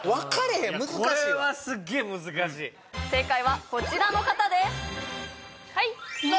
へん難しいこれはすっげえ難しい正解はこちらの方ですはい！